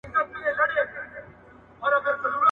اصل په گدله کي، کم اصل په گزبره کي.